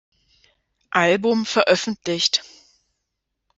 Album" veröffentlicht.